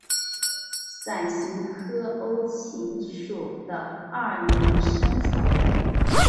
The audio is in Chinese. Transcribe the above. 伞形科欧芹属的二年生草本。